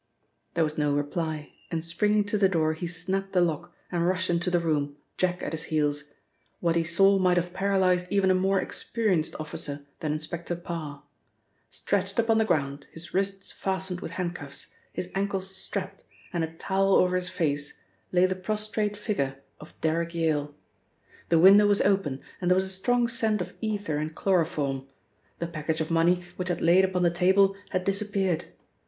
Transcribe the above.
There was no reply and springing to the door he snapped the lock, and rushed into the room, Jack at his heels. What he saw might have paralysed even a more experienced officer than Inspector Parr. Stretched upon the ground, his wrists fastened with handcuffs, his ankles strapped, and a towel over his face lay the prostrate figure of Derrick Yale. The window was open, and there was a strong scent of ether and chloroform. The package of money which had laid upon the table had disappeared.